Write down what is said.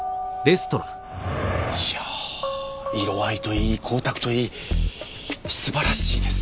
いや色合いといい光沢といい素晴らしいです！